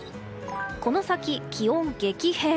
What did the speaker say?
この先、気温激変。